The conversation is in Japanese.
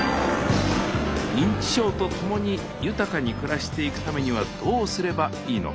認知症とともに豊かに暮らしていくためにはどうすればいいのか。